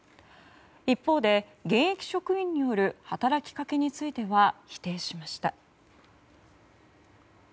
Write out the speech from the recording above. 一方で現役職員による働きかけについては否定しました。